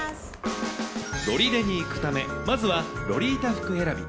ロリデに行くため、まずは、ロリータ服選び。